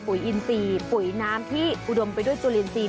ปุ๋ยอินทรีย์ปุ๋ยน้ำที่อุดมไปด้วยจุลอินทรีย์